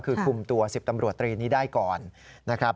คือคุมตัว๑๐ตำรวจตรีนี้ได้ก่อนนะครับ